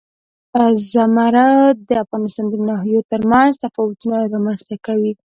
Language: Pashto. زمرد د افغانستان د ناحیو ترمنځ تفاوتونه رامنځ ته کوي.